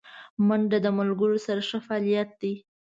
منډه د ملګرو سره ښه فعالیت دی